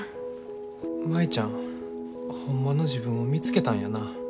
舞ちゃんホンマの自分を見つけたんやな。